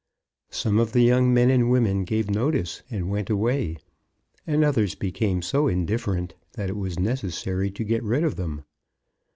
Some of the young men and women gave notice, and went away; and others became so indifferent that it was necessary to get rid of them.